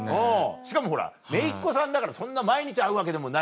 しかもほらめいっ子さんだから毎日会うわけでもないのに。